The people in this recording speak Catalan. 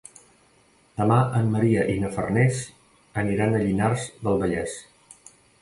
Demà en Maria i na Farners aniran a Llinars del Vallès.